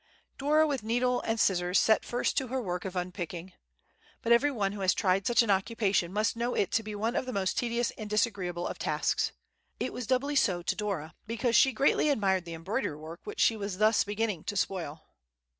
Dora with needle and scissors set first to her work of unpicking. But every one who has tried such an occupation must know it to be one of the most tedious and disagreeable of tasks. It was doubly so to Dora, because she greatly admired the embroidery work which she was thus beginning to spoil.